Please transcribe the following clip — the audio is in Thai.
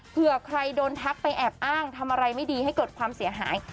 เผื่อใครโดนทักไปแอบอ้างทำอะไรไม่ดีให้เกิดความเสียหาย